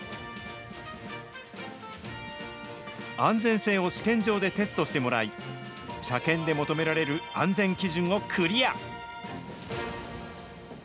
安全性を試験場でテストしてもらい、車検で求められる安全基準をクリア。